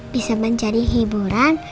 bisa menjadi hiburan